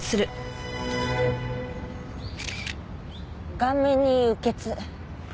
顔面に鬱血。